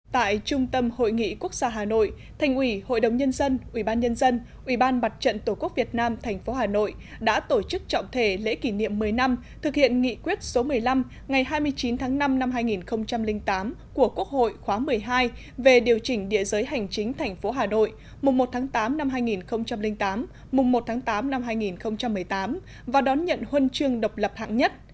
tại trung tâm hội nghị quốc gia hà nội thành ủy hội đồng nhân dân ubnd ubnd bạch trận tổ quốc việt nam tp hà nội đã tổ chức trọng thể lễ kỷ niệm một mươi năm thực hiện nghị quyết số một mươi năm ngày hai mươi chín tháng năm năm hai nghìn tám của quốc hội khóa một mươi hai về điều chỉnh địa giới hành chính tp hà nội mùng một tháng tám năm hai nghìn tám mùng một tháng tám năm hai nghìn một mươi tám và đón nhận huân chương độc lập hạng nhất